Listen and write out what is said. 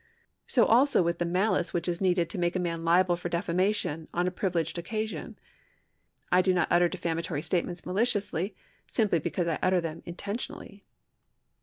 So also with the mahce which is needed to make a man liable for defamation on a privileged occasion ; I do not utter defamatory statements maliciously, simply because I utter them intentionally.